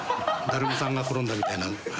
だるまさんが転んだみたいな。